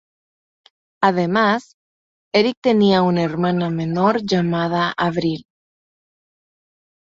Además, Eric tenía una hermana menor llamada Avril.